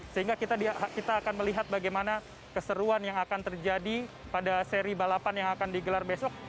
sehingga kita akan melihat bagaimana keseruan yang akan terjadi pada seri balapan yang akan digelar besok